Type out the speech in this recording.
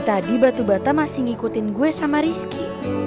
tadi batu bata masih ngikutin gue sama rizky